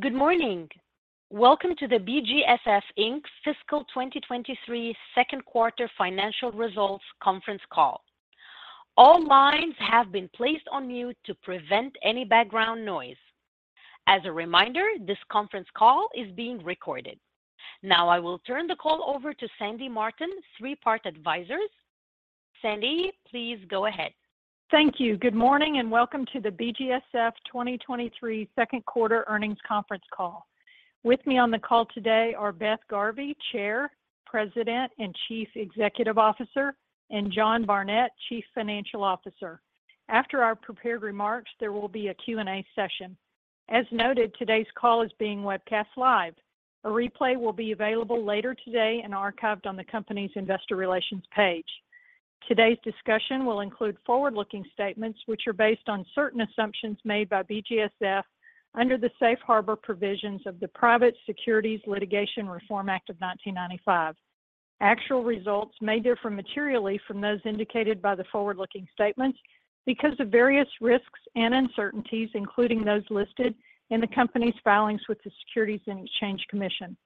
Good morning! Welcome to the BGSF Inc's fiscal 2023 second quarter financial results conference call. All lines have been placed on mute to prevent any background noise. As a reminder, this conference call is being recorded. Now, I will turn the call over to Sandy Martin, Three Part Advisors. Sandy, please go ahead. Thank you. Good morning, and welcome to the BGSF 2023 second quarter earnings conference call. With me on the call today are Beth Garvey, Chair, President, and Chief Executive Officer, and John Barnett, Chief Financial Officer. After our prepared remarks, there will be a Q&A session. As noted, today's call is being webcast live. A replay will be available later today and archived on the company's investor relations page. Today's discussion will include forward-looking statements, which are based on certain assumptions made by BGSF under the Safe Harbor provisions of the Private Securities Litigation Reform Act of 1995. Actual results may differ materially from those indicated by the forward-looking statements because of various risks and uncertainties, including those listed in the company's filings with the Securities and Exchange Commission.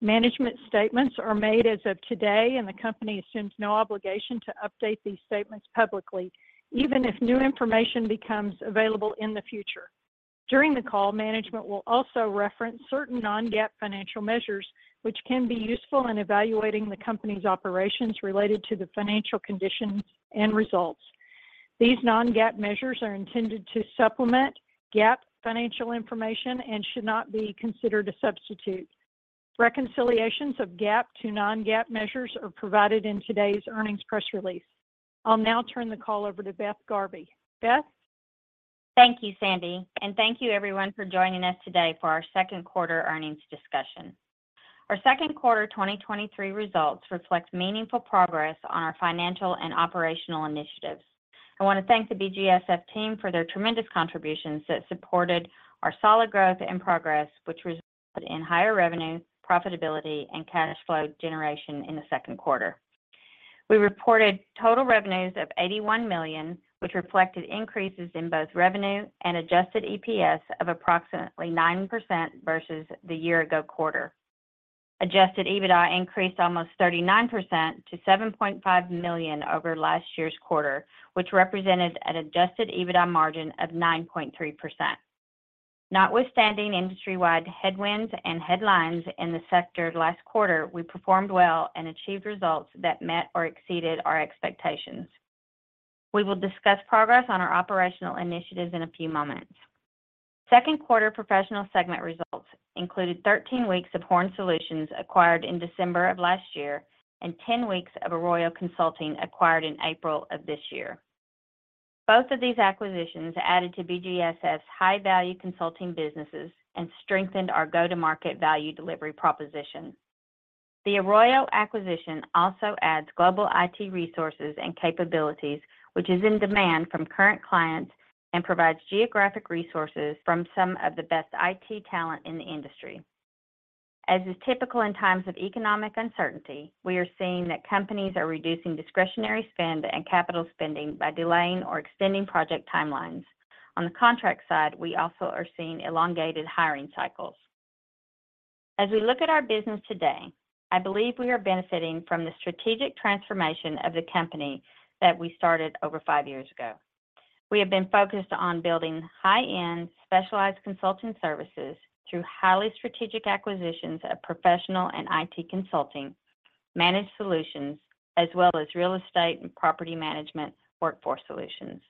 Management statements are made as of today. The company assumes no obligation to update these statements publicly, even if new information becomes available in the future. During the call, management will also reference certain non-GAAP financial measures, which can be useful in evaluating the company's operations related to the financial conditions and results. These non-GAAP measures are intended to supplement GAAP financial information and should not be considered a substitute. Reconciliations of GAAP to non-GAAP measures are provided in today's earnings press release. I'll now turn the call over to Beth Garvey. Beth? Thank you, Sandy, and thank you everyone for joining us today for our second quarter 2023 earnings discussion. Our second quarter 2023 results reflect meaningful progress on our financial and operational initiatives. I wanna thank the BGSF team for their tremendous contributions that supported our solid growth and progress, which resulted in higher revenue, profitability, and cash flow generation in the second quarter. We reported total revenues of $81 million, which reflected increases in both revenue and adjusted EPS of approximately 9% versus the year ago quarter. Adjusted EBITDA increased almost 39% to $7.5 million over last year's quarter, which represented an adjusted EBITDA margin of 9.3%. Notwithstanding industry-wide headwinds and headlines in the sector last quarter, we performed well and achieved results that met or exceeded our expectations. We will discuss progress on our operational initiatives in a few moments. Second quarter professional segment results included 13 weeks of Horn Solutions acquired in December of last year and 10 weeks of Arroyo Consulting acquired in April of this year. Both of these acquisitions added to BGSF's high-value consulting businesses and strengthened our go-to-market value delivery proposition. The Arroyo acquisition also adds global IT resources and capabilities, which is in demand from current clients and provides geographic resources from some of the best IT talent in the industry. As is typical in times of economic uncertainty, we are seeing that companies are reducing discretionary spend and capital spending by delaying or extending project timelines. On the contract side, we also are seeing elongated hiring cycles. As we look at our business today, I believe we are benefiting from the strategic transformation of the company that we started over 5 years ago. We have been focused on building high-end, specialized consulting services through highly strategic acquisitions of professional and IT consulting, managed solutions, as well as real estate and property management workforce solutions.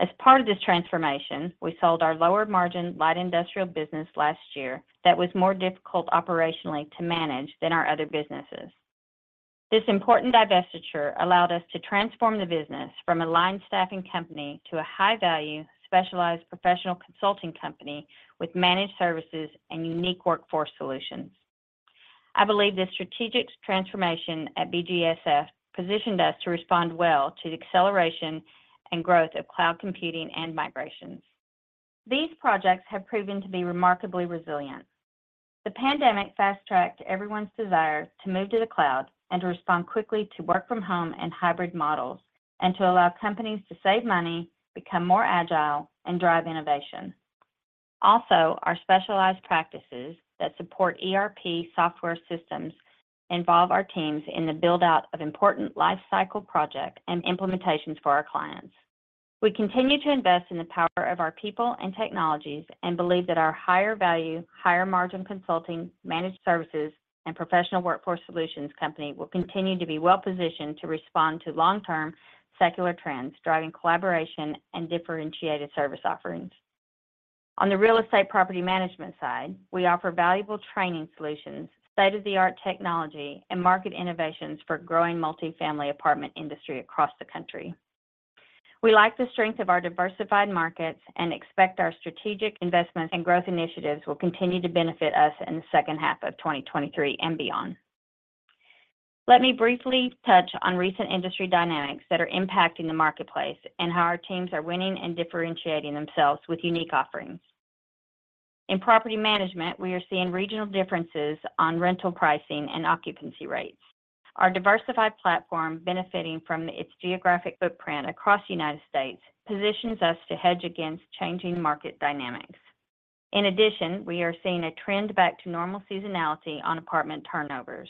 As part of this transformation, we sold our lower margin light industrial business last year that was more difficult operationally to manage than our other businesses. This important divestiture allowed us to transform the business from a line staffing company to a high-value, specialized professional consulting company with managed services and unique workforce solutions. I believe this strategic transformation at BGSF positioned us to respond well to the acceleration and growth of cloud computing and migrations. These projects have proven to be remarkably resilient. The pandemic fast-tracked everyone's desire to move to the cloud and to respond quickly to work-from-home and hybrid models, and to allow companies to save money, become more agile, and drive innovation. Our specialized practices that support ERP software systems involve our teams in the build-out of important lifecycle project and implementations for our clients. We continue to invest in the power of our people and technologies, and believe that our higher-value, higher-margin consulting, managed services, and professional workforce solutions company will continue to be well-positioned to respond to long-term secular trends, driving collaboration and differentiated service offerings. On the real estate property management side, we offer valuable training solutions, state-of-the-art technology, and market innovations for growing multifamily apartment industry across the country. We like the strength of our diversified markets and expect our strategic investments and growth initiatives will continue to benefit us in the second half of 2023 and beyond. Let me briefly touch on recent industry dynamics that are impacting the marketplace and how our teams are winning and differentiating themselves with unique offerings. In property management, we are seeing regional differences on rental pricing and occupancy rates. Our diversified platform, benefiting from its geographic footprint across the United States, positions us to hedge against changing market dynamics. In addition, we are seeing a trend back to normal seasonality on apartment turnovers.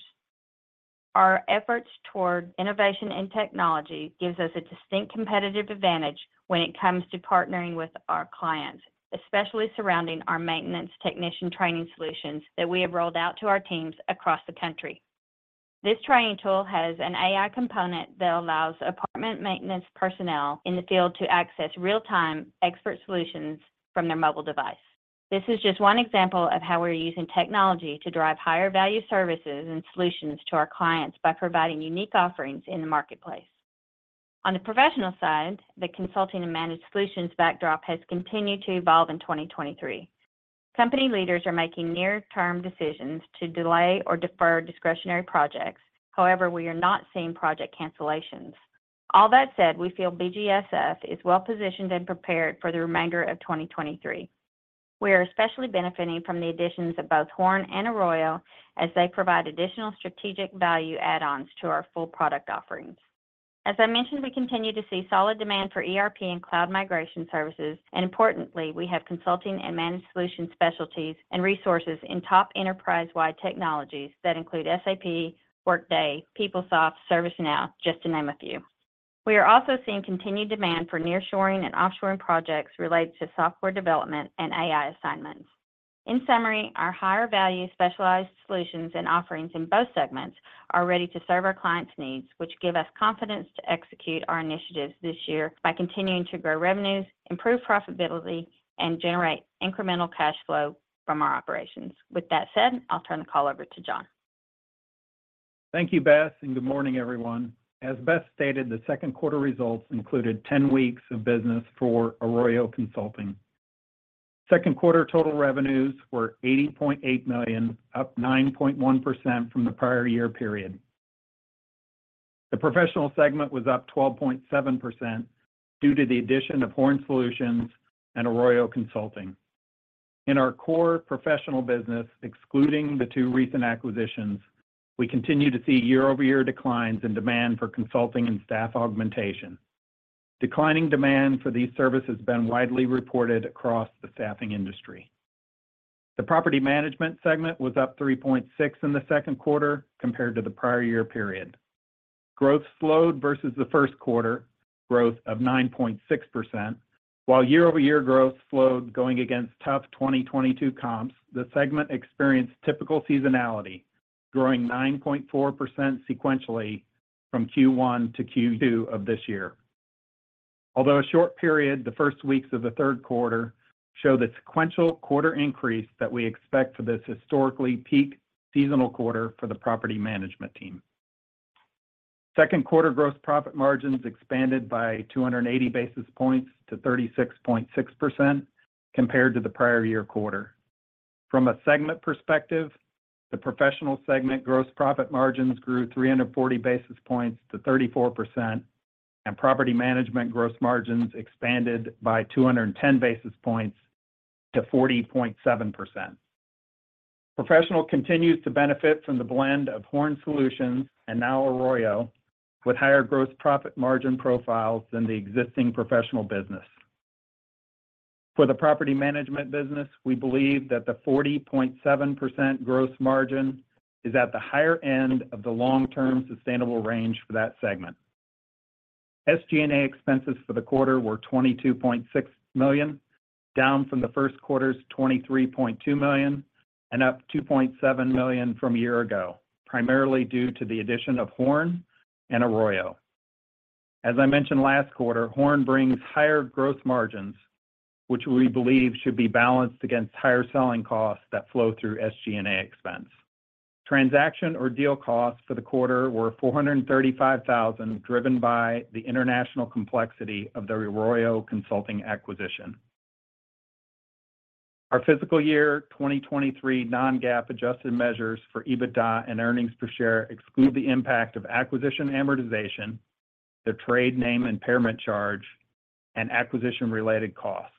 Our efforts toward innovation and technology gives us a distinct competitive advantage when it comes to partnering with our clients, especially surrounding our maintenance technician training solutions that we have rolled out to our teams across the country. This training tool has an AI component that allows apartment maintenance personnel in the field to access real-time expert solutions from their mobile device. This is just one example of how we're using technology to drive higher value services and solutions to our clients by providing unique offerings in the marketplace. On the professional side, the consulting and managed solutions backdrop has continued to evolve in 2023. Company leaders are making near-term decisions to delay or defer discretionary projects. However, we are not seeing project cancellations. All that said, we feel BGSF is well positioned and prepared for the remainder of 2023. We are especially benefiting from the additions of both Horn and Arroyo as they provide additional strategic value add-ons to our full product offerings. As I mentioned, we continue to see solid demand for ERP and cloud migration services, and importantly, we have consulting and managed solution specialties and resources in top enterprise-wide technologies that include SAP, Workday, PeopleSoft, ServiceNow, just to name a few. We are also seeing continued demand for nearshoring and offshoring projects related to software development and AI assignments. In summary, our higher value specialized solutions and offerings in both segments are ready to serve our clients' needs, which give us confidence to execute our initiatives this year by continuing to grow revenues, improve profitability, and generate incremental cash flow from our operations. With that said, I'll turn the call over to John. Thank you, Beth. Good morning, everyone. As Beth stated, the second quarter results included 10 weeks of business for Arroyo Consulting. Second quarter total revenues were $80.8 million, up 9.1% from the prior year period. The professional segment was up 12.7% due to the addition of Horn Solutions and Arroyo Consulting. In our core professional business, excluding the two recent acquisitions, we continue to see year-over-year declines in demand for consulting and staff augmentation. Declining demand for these services has been widely reported across the staffing industry. The property management segment was up 3.6 in the second quarter compared to the prior year period. Growth slowed versus the first quarter, growth of 9.6%. While year-over-year growth slowed, going against tough 2022 comps, the segment experienced typical seasonality, growing 9.4% sequentially from Q1 to Q2 of this year. Although a short period, the first weeks of the third quarter show the sequential quarter increase that we expect for this historically peak seasonal quarter for the property management team. Second quarter gross profit margins expanded by 280 basis points to 36.6% compared to the prior year quarter. From a segment perspective, the professional segment gross profit margins grew 340 basis points to 34%, and property management gross margins expanded by 210 basis points to 40.7%. Professional continues to benefit from the blend of Horn Solutions, and now Arroyo, with higher gross profit margin profiles than the existing professional business. For the property management business, we believe that the 40.7% gross margin is at the higher end of the long-term sustainable range for that segment. SG&A expenses for the quarter were $22.6 million, down from the 1st quarter's $23.2 million and up $2.7 million from a year ago, primarily due to the addition of Horn and Arroyo. As I mentioned last quarter, Horn brings higher gross margins, which we believe should be balanced against higher selling costs that flow through SG&A expense. Transaction or deal costs for the quarter were $435,000, driven by the international complexity of the Arroyo Consulting acquisition. Our fiscal year 2023 non-GAAP adjusted measures for EBITDA and earnings per share exclude the impact of acquisition amortization, the trade name impairment charge, and acquisition-related costs.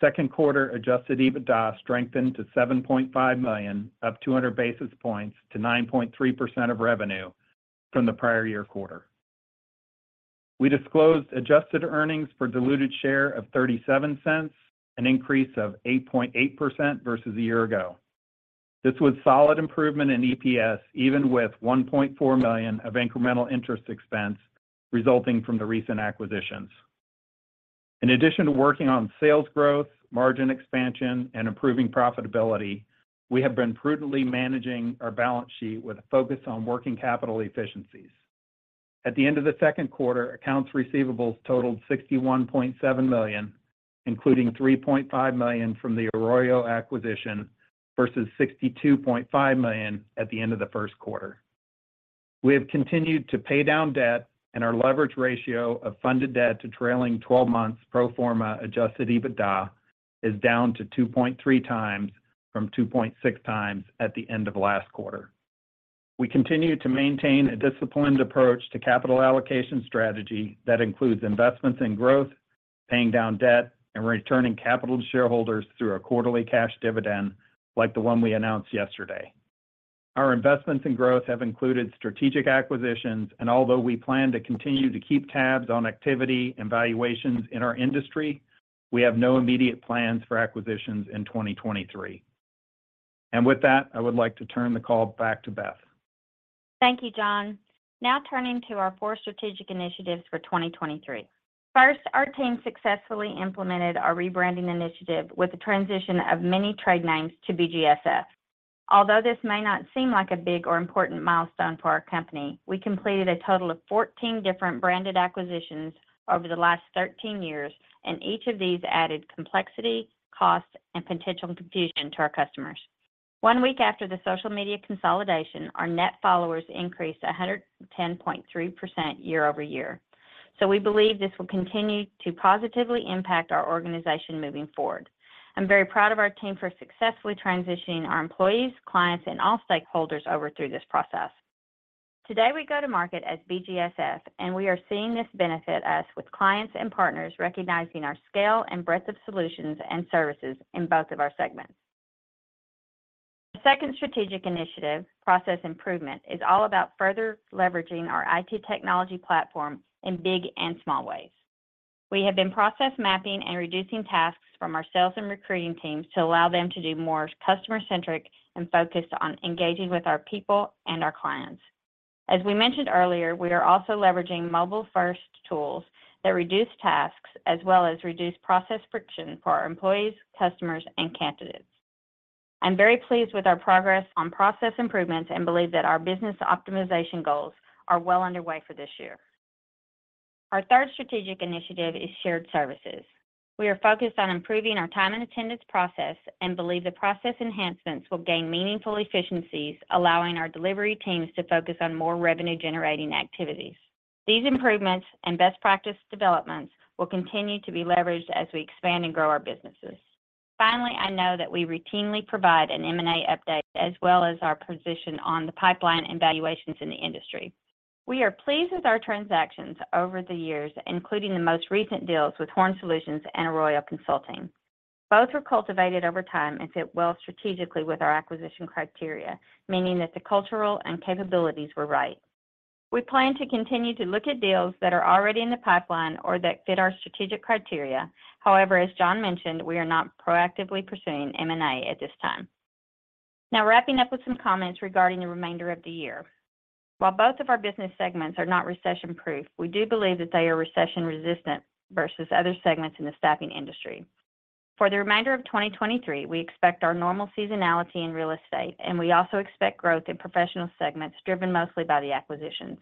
Second quarter Adjusted EBITDA strengthened to $7.5 million, up 200 basis points to 9.3% of revenue from the prior-year quarter. We disclosed adjusted earnings for diluted share of $0.37, an increase of 8.8% versus a year ago. This was solid improvement in EPS, even with $1.4 million of incremental interest expense resulting from the recent acquisitions. In addition to working on sales growth, margin expansion, and improving profitability, we have been prudently managing our balance sheet with a focus on working capital efficiencies. At the end of the second quarter, accounts receivables totaled $61.7 million, including $3.5 million from the Arroyo acquisition, versus $62.5 million at the end of the first quarter. We have continued to pay down debt. Our leverage ratio of funded debt to trailing 12 months pro forma adjusted EBITDA is down to 2.3 times from 2.6 times at the end of last quarter. We continue to maintain a disciplined approach to capital allocation strategy that includes investments in growth, paying down debt, and returning capital to shareholders through our quarterly cash dividend, like the one we announced yesterday. Our investments in growth have included strategic acquisitions. Although we plan to continue to keep tabs on activity and valuations in our industry, we have no immediate plans for acquisitions in 2023. With that, I would like to turn the call back to Beth. Thank you, John. Turning to our four strategic initiatives for 2023. First, our team successfully implemented our rebranding initiative with the transition of many trade names to BGSF. Although this may not seem like a big or important milestone for our company, we completed a total of 14 different branded acquisitions over the last 13 years, and each of these added complexity, cost, and potential confusion to our customers. One week after the social media consolidation, our net followers increased 110.3% year-over-year. We believe this will continue to positively impact our organization moving forward. I'm very proud of our team for successfully transitioning our employees, clients, and all stakeholders over through this process. Today, we go to market as BGSF, and we are seeing this benefit us with clients and partners recognizing our scale and breadth of solutions and services in both of our segments. The second strategic initiative, process improvement, is all about further leveraging our IT technology platform in big and small ways. We have been process mapping and reducing tasks from our sales and recruiting teams to allow them to do more customer-centric and focused on engaging with our people and our clients. As we mentioned earlier, we are also leveraging mobile-first tools that reduce tasks as well as reduce process friction for our employees, customers, and candidates. I'm very pleased with our progress on process improvements and believe that our business optimization goals are well underway for this year. Our third strategic initiative is shared services. We are focused on improving our time and attendance process and believe the process enhancements will gain meaningful efficiencies, allowing our delivery teams to focus on more revenue-generating activities. These improvements and best practice developments will continue to be leveraged as we expand and grow our businesses. Finally, I know that we routinely provide an M&A update, as well as our position on the pipeline and valuations in the industry. We are pleased with our transactions over the years, including the most recent deals with Horn Solutions and Arroyo Consulting. Both were cultivated over time and fit well strategically with our acquisition criteria, meaning that the cultural and capabilities were right. We plan to continue to look at deals that are already in the pipeline or that fit our strategic criteria. However, as John mentioned, we are not proactively pursuing M&A at this time. Now wrapping up with some comments regarding the remainder of the year. While both of our business segments are not recession-proof, we do believe that they are recession-resistant versus other segments in the staffing industry. For the remainder of 2023, we expect our normal seasonality in real estate. We also expect growth in professional segments, driven mostly by the acquisitions.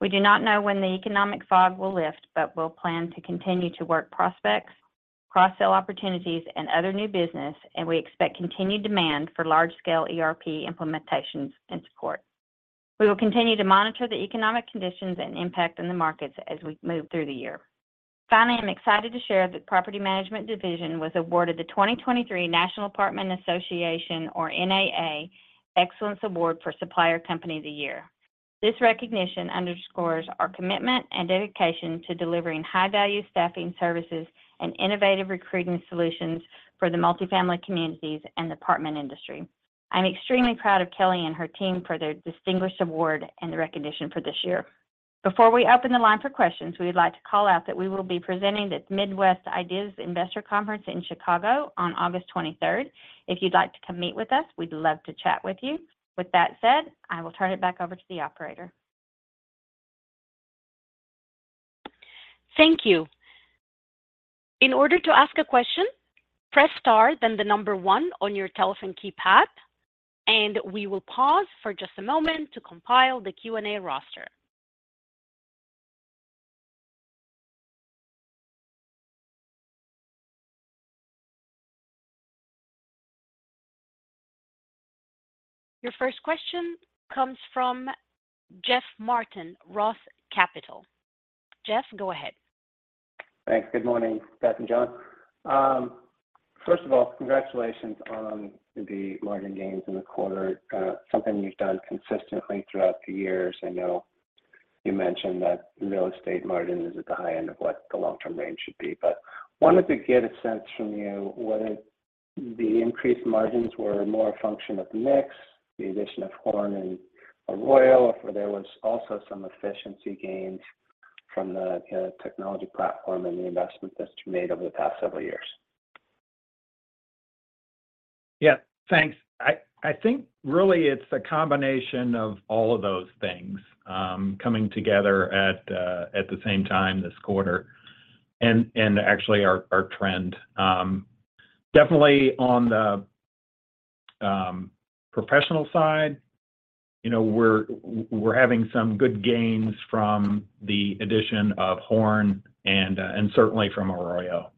We do not know when the economic fog will lift, but we'll plan to continue to work prospects, cross-sell opportunities, and other new business. We expect continued demand for large-scale ERP implementations and support. We will continue to monitor the economic conditions and impact on the markets as we move through the year. Finally, I'm excited to share that Property Management Division was awarded the 2023 National Apartment Association, or NAA, Excellence Award for Supplier Company of the Year. This recognition underscores our commitment and dedication to delivering high-value staffing services and innovative recruiting solutions for the multifamily communities and the apartment industry. I'm extremely proud of Kelly and her team for their distinguished award and the recognition for this year. Before we open the line for questions, we would like to call out that we will be presenting at the Midwest IDEAS Investor Conference in Chicago on August 23rd. If you'd like to come meet with us, we'd love to chat with you. With that said, I will turn it back over to the operator. Thank you. In order to ask a question, press star, then the 1 on your telephone keypad. We will pause for just a moment to compile the Q&A roster. Your first question comes from Jeff Martin, Roth Capital Partners. Jeff, go ahead. Thanks. Good morning, Beth and John. First of all, congratulations on the margin gains in the quarter, something you've done consistently throughout the years. I know you mentioned that real estate margin is at the high end of what the long-term range should be, but wanted to get a sense from you whether the increased margins were more a function of the mix, the addition of Horn and Arroyo, or there was also some efficiency gains from the technology platform and the investment that you made over the past several years? Yeah, thanks. I think really it's a combination of all of those things, coming together at, at the same time this quarter, and actually our, our trend. Definitely on the professional side, you know, we're having some good gains from the addition of Horn and certainly from Arroyo,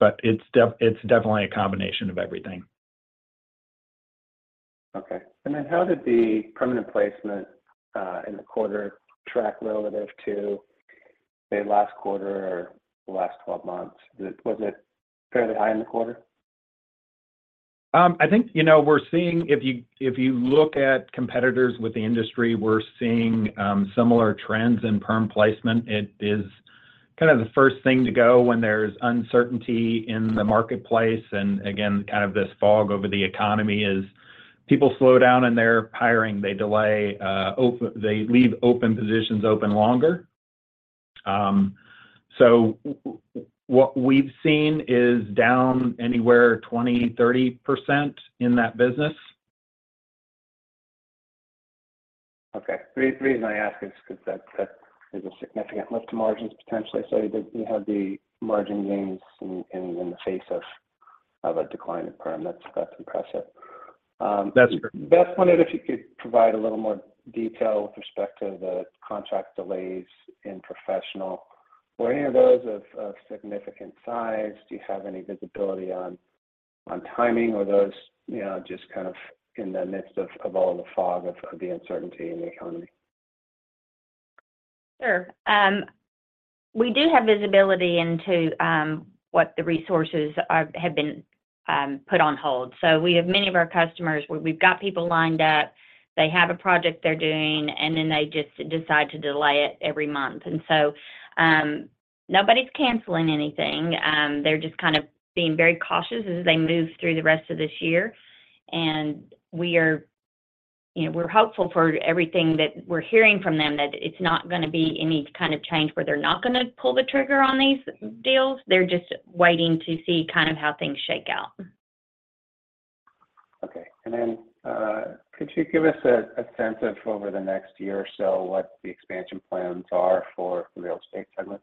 but it's definitely a combination of everything. Okay. How did the permanent placement in the quarter track relative to, say, last quarter or the last 12 months? Was it, was it fairly high in the quarter? I think, you know, we're seeing if you, if you look at competitors with the industry, we're seeing similar trends in perm placement. It is kind of the first thing to go when there's uncertainty in the marketplace. Again, kind of this fog over the economy is people slow down, and their hiring, they delay. They leave open positions open longer. So what we've seen is down anywhere 20%-30% in that business. The, the reason I ask is 'cause that, that is a significant lift to margins potentially. You did, you had the margin gains in, in, in the face of, of a decline in perm. That's, that's impressive. That's correct. Beth, I wondered if you could provide a little more detail with respect to the contract delays in professional. Were any of those of, of significant size? Do you have any visibility on, on timing, or are those, you know, just kind of in the midst of, of all the fog of, of the uncertainty in the economy? Sure. We do have visibility into what the resources are, have been, put on hold. We have many of our customers where we've got people lined up, they have a project they're doing, and then they just decide to delay it every month. Nobody's canceling anything. They're just kind of being very cautious as they move through the rest of this year. We are, you know, we're hopeful for everything that we're hearing from them, that it's not gonna be any kind of change where they're not gonna pull the trigger on these deals. They're just waiting to see kind of how things shake out. Okay. Could you give us a sense of over the next year or so, what the expansion plans are for the real estate segment?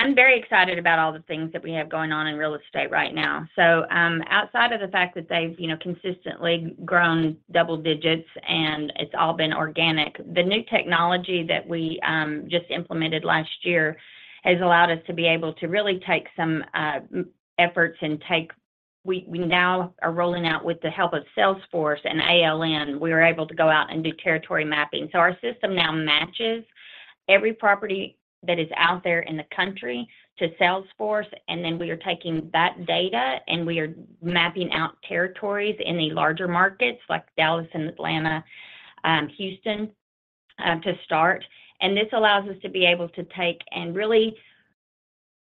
I'm very excited about all the things that we have going on in real estate right now. Outside of the fact that they've, you know, consistently grown double digits, and it's all been organic, the new technology that we just implemented last year has allowed us to be able to really take some efforts. We now are rolling out, with the help of Salesforce and ALN, we are able to go out and do territory mapping. Our system now matches every property that is out there in the country to Salesforce, and then we are taking that data, and we are mapping out territories in the larger markets like Dallas and Atlanta, Houston to start. This allows us to be able to take and really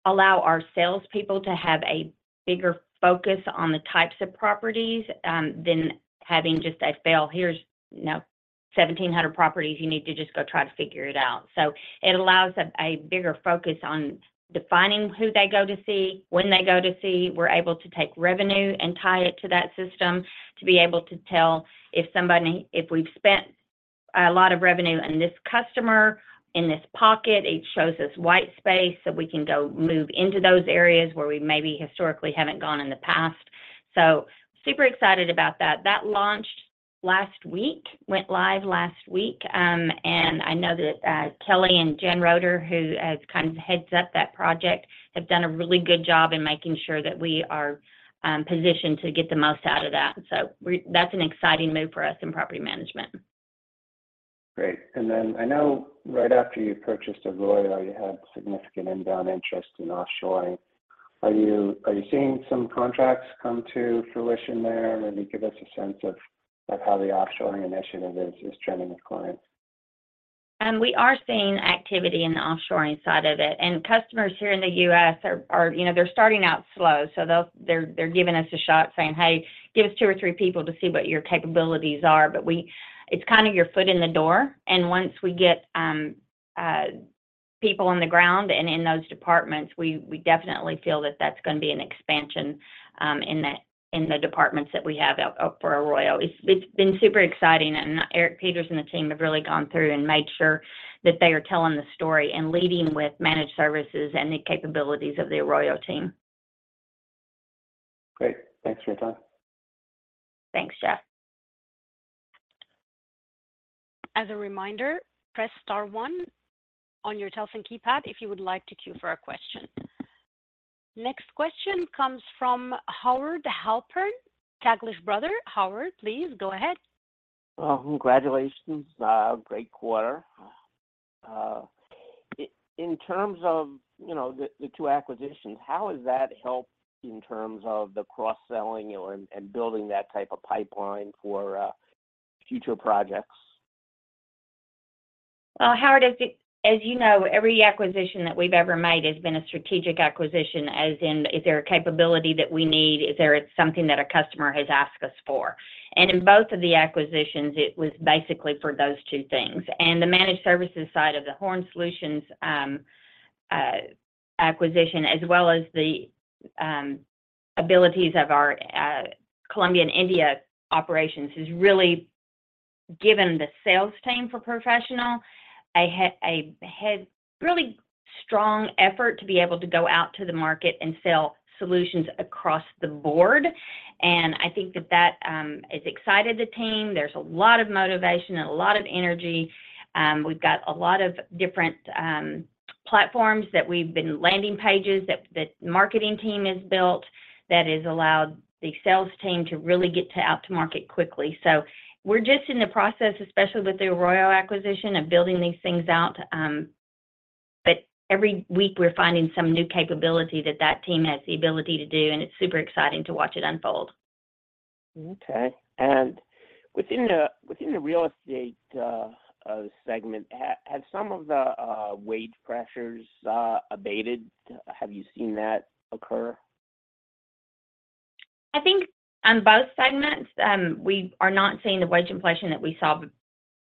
allow our salespeople to have a bigger focus on the types of properties than having just a fail. "Here's, you know, 1,700 properties. You need to just go try to figure it out." It allows a bigger focus on defining who they go to see, when they go to see. We're able to take revenue and tie it to that system to be able to tell if we've spent a lot of revenue on this customer in this pocket, it shows us white space, so we can go move into those areas where we maybe historically haven't gone in the past. Super excited about that. That launched last week, went live last week. I know that Kelly and Jen Roder, who has kind of heads up that project, have done a really good job in making sure that we are positioned to get the most out of that. That's an exciting move for us in property management. Great, I know right after you purchased Arroyo, you had significant inbound interest in offshoring. Are you seeing some contracts come to fruition there? Maybe give us a sense of how the offshoring initiative is trending with clients. We are seeing activity in the offshoring side of it, and customers here in the U.S. are, are, you know, they're starting out slow. They'll, they're, they're giving us a shot, saying, "Hey, give us two or three people to see what your capabilities are." We- it's kind of your foot in the door, and once we get people on the ground and in those departments, we, we definitely feel that that's gonna be an expansion in the departments that we have out for Arroyo. It's, it's been super exciting, and Eric Peterson and the team have really gone through and made sure that they are telling the story and leading with managed services and the capabilities of the Arroyo team. Great. Thanks for your time. Thanks, Jeff. As a reminder, press star one on your telephone keypad if you would like to queue for a question. Next question comes from Howard Halpern, Taglich Brothers. Howard, please go ahead. Well, congratulations. Great quarter. In terms of, you know, the 2 acquisitions, how has that helped in terms of the cross-selling and, and building that type of pipeline for future projects? Well, Howard, as you, as you know, every acquisition that we've ever made has been a strategic acquisition, as in, is there a capability that we need? Is there something that a customer has asked us for? In both of the acquisitions, it was basically for those 2 things. The managed services side of the Horn Solutions acquisition, as well as the abilities of our Colombia and India operations, has really given the sales team for professional Really strong effort to be able to go out to the market and sell solutions across the board. I think that that has excited the team. There's a lot of motivation and a lot of energy. We've got a lot of different platforms that we've been landing pages that the marketing team has built that has allowed the sales team to really get to out to market quickly. We're just in the process, especially with the Arroyo acquisition, of building these things out. Every week we're finding some new capability that that team has the ability to do, and it's super exciting to watch it unfold. Okay. within the, within the real estate segment, have some of the wage pressures abated? Have you seen that occur? I think on both segments, we are not seeing the wage inflation that we saw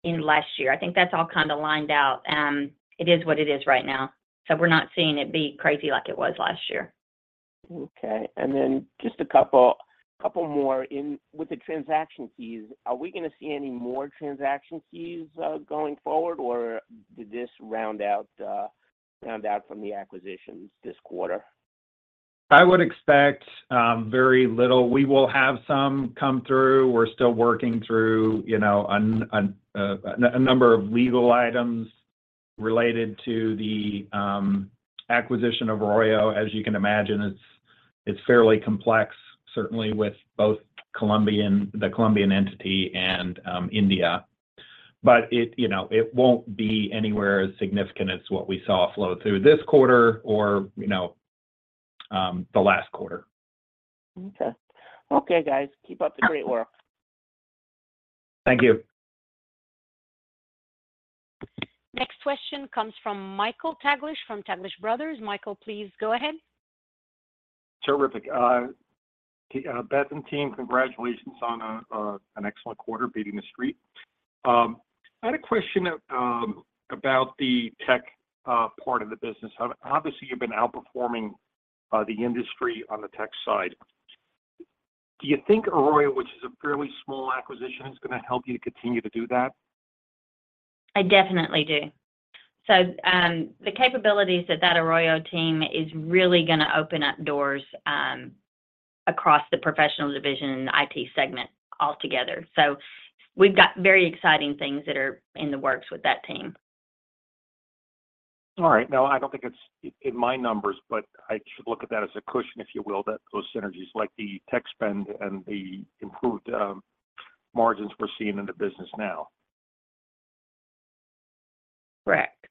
in last year. I think that's all kind of lined out. It is what it is right now, we're not seeing it be crazy like it was last year. Okay, just a couple, couple more. With the transaction fees, are we gonna see any more transaction fees going forward, or did this round out, round out from the acquisitions this quarter? I would expect very little. We will have some come through. We're still working through, you know, a number of legal items related to the acquisition of Arroyo. As you can imagine, it's fairly complex, certainly with both Colombian, the Colombian entity and India. It, you know, it won't be anywhere as significant as what we saw flow through this quarter or, you know, the last quarter. Okay. Okay, guys, keep up the great work. Thank you. Next question comes from Michael Taglich from Taglich Brothers. Michael, please go ahead. Terrific. Beth and team, congratulations on an excellent quarter beating the Street. I had a question about the tech part of the business. Obviously, you've been outperforming the industry on the tech side. Do you think Arroyo, which is a fairly small acquisition, is gonna help you continue to do that? I definitely do. The capabilities that that Arroyo team is really gonna open up doors across the professional division and IT segment altogether. We've got very exciting things that are in the works with that team. All right. Now, I don't think it's in my numbers, but I should look at that as a cushion, if you will, that those synergies, like the tech spend and the improved margins we're seeing in the business now. Correct.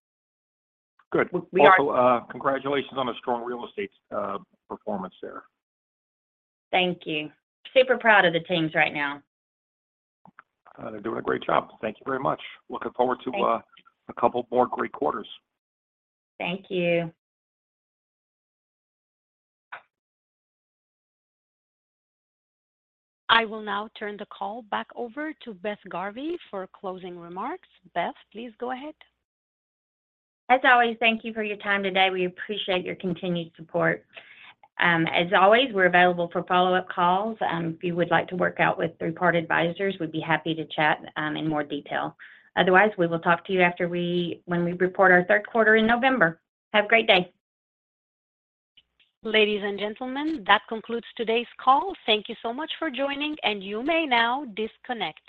Good. We are- Also, congratulations on the strong real estate, performance there. Thank you. Super proud of the teams right now. They're doing a great job. Thank you very much. Looking forward to- Thanks... a couple more great quarters. Thank you. I will now turn the call back over to Beth Garvey for closing remarks. Beth, please go ahead. As always, thank you for your time today. We appreciate your continued support. As always, we're available for follow-up calls. If you would like to work out with third-party advisors, we'd be happy to chat in more detail. Otherwise, we will talk to you when we report our third quarter in November. Have a great day! Ladies and gentlemen, that concludes today's call. Thank you so much for joining. You may now disconnect.